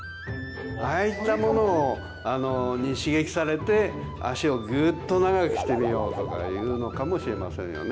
ああいったものに刺激されて脚をグーッと長くしてみようとかいうのかもしれませんよね。